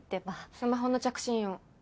スマホの着信音